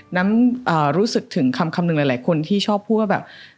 รู้สึกถึงคำหนึ่งหลายคนที่ชอบพูดว่าแบบ